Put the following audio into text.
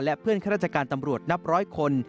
และเพื่อนข้าราชการตำรวจนับร้อยคน